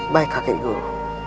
baik kakek guru